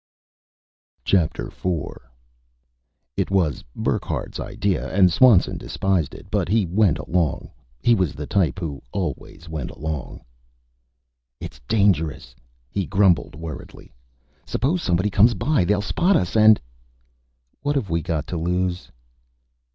IV It was Burckhardt's idea and Swanson despised it, but he went along. He was the type who always went along. "It's dangerous," he grumbled worriedly. "Suppose somebody comes by? They'll spot us and " "What have we got to lose?"